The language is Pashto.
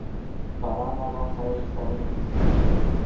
باران د افغان تاریخ په کتابونو کې ذکر شوي دي.